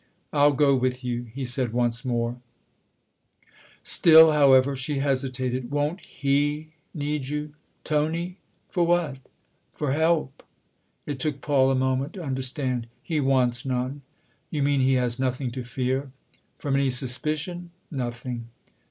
" I'll go with you," he said once more. THE OTHER HOUSE 315 Still, however, she hesitated. " Won't he need you ?"" Tony ? for what ?"" For help." It took Paul a moment to understand. " He wants none." " You mean he has nothing to fear ?"" From any suspicion ? Nothing."